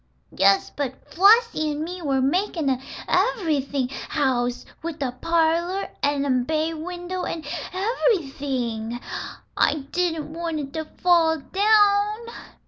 "Yes, but Flossie and me were makin' an ev'rything house, with a parlor, an' a bay window, an' ev'rything. I didn't want it to fall down."